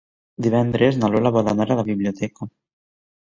Divendres na Lola vol anar a la biblioteca.